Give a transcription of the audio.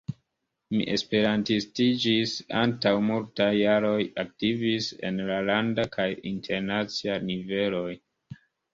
Mi esperantistiĝis antaŭ multaj jaroj, aktivis en la landa kaj internacia niveloj.